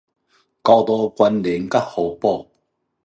高度關聯和互補